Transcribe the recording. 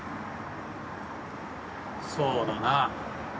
そうだな。